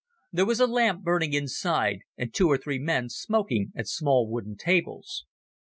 There was a lamp burning inside, and two or three men smoking at small wooden tables.